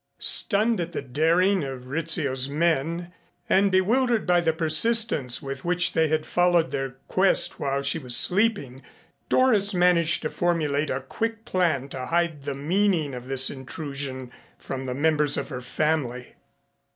Stunned at the daring of Rizzio's men and bewildered by the persistence with which they had followed their quest while she was sleeping, Doris managed to formulate a quick plan to hide the meaning of this intrusion from the members of her family.